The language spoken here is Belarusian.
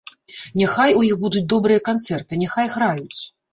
Няхай у іх будуць добрыя канцэрты, няхай граюць.